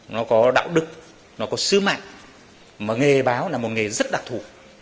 nó là một nghề rất đặc thủ